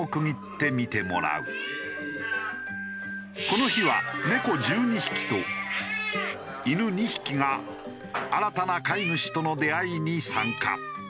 この日は猫１２匹と犬２匹が新たな飼い主との出会いに参加。